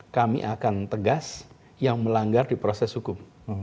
kami akan tegas yang melanggar di proses hukum